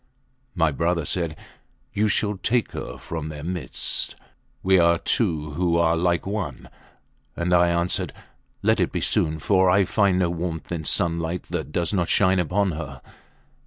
My brother said, You shall take her from their midst. We are two who are like one. And I answered, Let it be soon, for I find no warmth in sunlight that does not shine upon her.